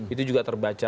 itu juga terbaca